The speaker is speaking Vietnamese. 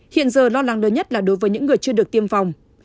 hiện giờ lo lắng lớn nhất là đối với những người chưa được tiêm phòng